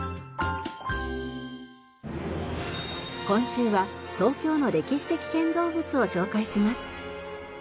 今週は東京の歴史的建造物を紹介します。